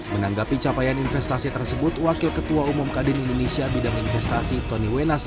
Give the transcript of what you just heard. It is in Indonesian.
menanggapi capaian investasi tersebut wakil ketua umum kadin indonesia bidang investasi tony wenas